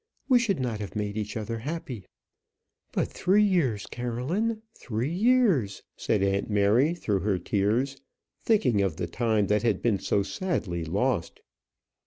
We should not have made each other happy." "But three years, Caroline; three years!" said aunt Mary through her tears, thinking of the time that had been so sadly lost.